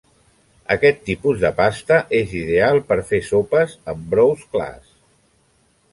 Aquest tipus de pasta és ideal per fer sopes amb brous clars.